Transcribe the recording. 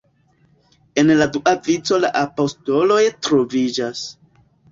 En la dua vico la apostoloj troviĝas.